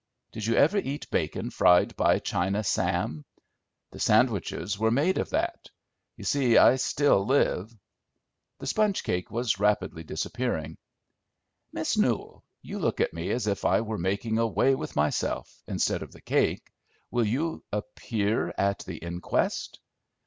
Did you ever eat bacon fried by China Sam? The sandwiches were made of that. You see I still live." The sponge cake was rapidly disappearing. "Miss Newell, you look at me as if I were making away with myself, instead of the cake, will you appear at the inquest?"